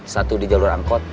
satu di jalur angkot